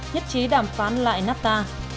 nhất trí đàm phán lại nafta